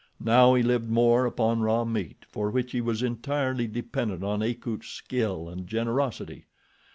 Now he lived more upon raw meat, for which he was entirely dependent on Akut's skill and generosity.